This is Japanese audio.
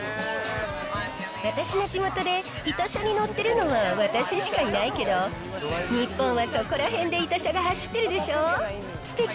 私の地元で、痛車に乗ってるのは私しかいないけど、日本はそこらへんで痛車が走ってるでしょ。